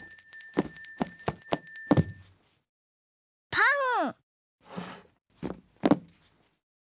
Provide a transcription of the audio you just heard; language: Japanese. パン。